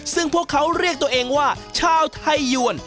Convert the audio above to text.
ซึ่งพวกเขาเรียกตัวเองว่าชาวไทยยวน